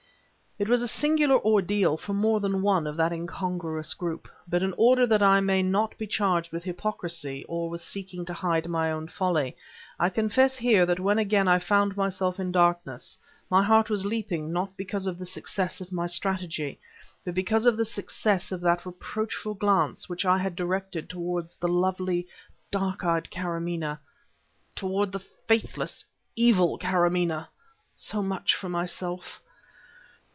It was a singular ordeal for more than one of that incongruous group; but in order that I may not be charged with hypocrisy or with seeking to hide my own folly, I confess, here, that when again I found myself in darkness, my heart was leaping not because of the success of my strategy, but because of the success of that reproachful glance which I had directed toward the lovely, dark eyed Karamaneh, toward the faithless, evil Karamaneh! So much for myself.